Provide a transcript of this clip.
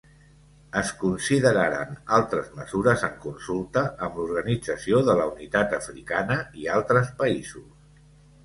Es consideraren altres mesures en consulta amb l'Organització de la Unitat Africana i altres països.